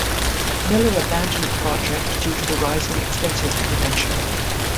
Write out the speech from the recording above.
Miller abandoned the project due to the rising expenses of the venture.